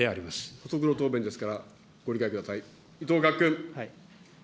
補足の答弁ですからご理解ください。